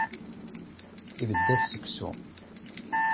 Ibedd-as seksu.